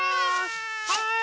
はい！